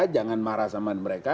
jangan marah sama mereka